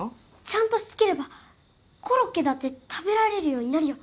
ちゃんとしつければコロッケだって食べられるようになるよ。